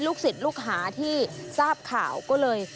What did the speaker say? ศิษย์ลูกหาที่ทราบข่าวก็เลย